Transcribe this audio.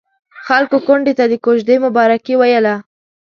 خلکو کونډې ته د کوژدې مبارکي ويله.